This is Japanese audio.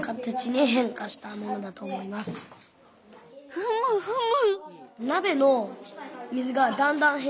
ふむふむ。